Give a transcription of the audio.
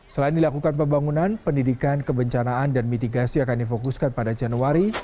selain dilakukan pembangunan pendidikan kebencanaan dan mitigasi akan difokuskan pada januari